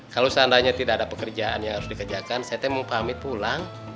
kalau seandainya tidak ada pekerjaan yang harus dikerjakan ct mau pamit pulang